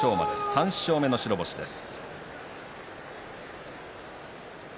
３勝目の白星です。